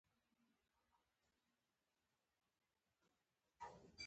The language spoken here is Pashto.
• شیدې د هډوکو د نرمښت لپاره هم ګټورې دي.